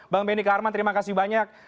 bang benny karman terima kasih banyak